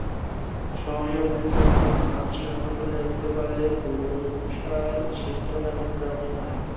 সহসা উপযুক্ত পরিমাণ আহার্য সংগ্রহ করা যাইতে পারে বুড়াশিবতলা এমন গ্রামই নহে।